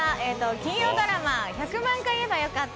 金曜ドラマ「１００万回言えばよかった」